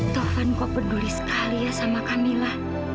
tuhan kok peduli sekali ya sama kamila